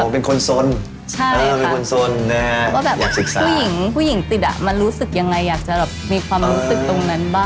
พวกผู้หญิงติดอะมารู้สึกยังไงอยากจะแบบมีความรู้สึกตรงนั้นบ้าง